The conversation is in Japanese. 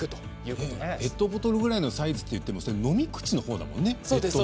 ペットボトルくらいのサイズっていっても、それは飲み口のほうだもんね。